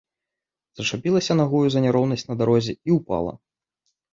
Зачапілася нагою за няроўнасць на дарозе і ўпала.